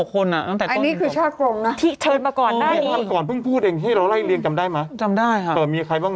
คนแรกเราก็จะเป็น